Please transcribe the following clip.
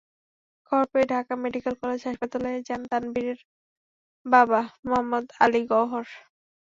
খবর পেয়ে Dhaka Medical College হাসপাতালে যান তানভীরের বাবা মোহাম্মদ আলী গওহর।